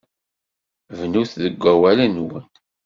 Bnut deg wakal-nwen.